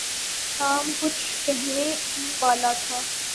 Tom کچھ کہنے ہی والا تھا۔